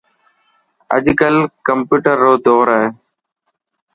اڄ ڪل ڪمپيوٽر رو دور هي.